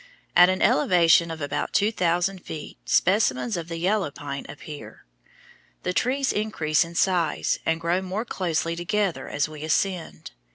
At an elevation of about two thousand feet specimens of the yellow pine appear. The trees increase in size and grow more closely together as we ascend.